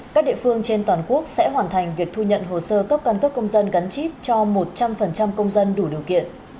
các địa phương trên toàn quốc sẽ hoàn thành việc thu nhận hồ sơ cấp căn cấp công dân gắn chip cho một trăm linh công dân đủ điều kiện